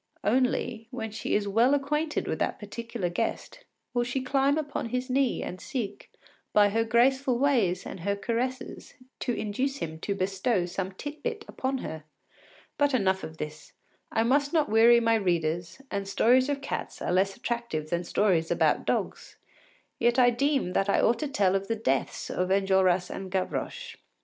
Only, when she is well acquainted with the particular guest, she will climb upon his knee and seek, by her graceful ways and her caresses, to induce him to bestow some tit bit upon her. But enough of this; I must not weary my readers, and stories of cats are less attractive than stories about dogs. Yet I deem that I ought to tell of the deaths of Enjolras and Gavroche.